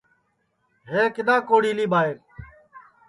ہے کِدؔا کوڑھیلی ٻائیر